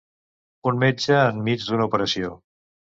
Un metge enmig d'una operació.